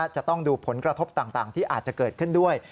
จะต้องดูผลกระทบต่างที่อาจจะเกิดขึ้นด้วย